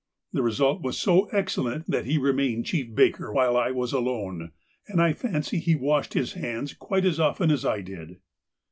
The result was so excellent that he remained chief baker while I was alone, and I fancy he washed his hands quite as often as I did.